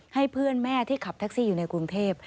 ให้เพื่อนแม่ที่ขับแท็กซี่อยู่ในกรุงเทพ